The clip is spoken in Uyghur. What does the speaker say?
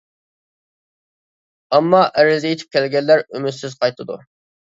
ئەمما ئەرز ئېيتىپ كەلگەنلەر ئۈمىدسىز قايتىدۇ.